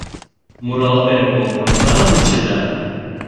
Муралтен колтымынам вучеда?